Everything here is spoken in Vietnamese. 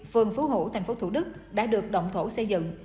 phường phú hữu thành phố thủ đức đã được động thổ xây dựng